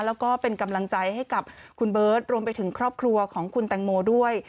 แล้วก็เป็นกำลังใจให้กับคุณเบิร์ตรวมไปถึงครอบครัวของคุณแตงโมด้วย